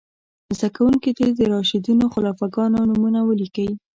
زده کوونکي دې د راشدینو خلیفه ګانو نومونه ولیکئ.